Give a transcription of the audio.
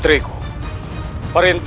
perintah kembar itu